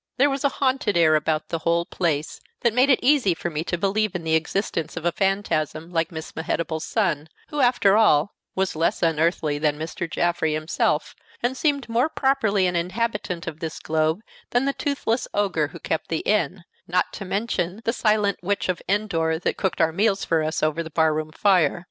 There was a haunted air about the whole place that made it easy for me to believe in the existence of a phantasm like Miss Mehetabel's son, who, after all, was less unearthly than Mr. Jaffrey himself, and seemed more properly an inhabitant of this globe than the toothless ogre who kept the inn, not to mention the silent Witch of Endor that cooked our meals for us over the bar room fire.